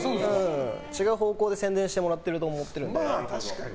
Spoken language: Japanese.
違う方向で宣伝してもらってると思ってるので。